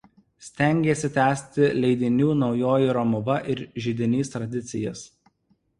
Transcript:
Stengėsi tęsti leidinių „Naujoji Romuva“ ir „Židinys“ tradicijas.